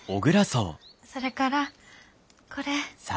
それからこれ。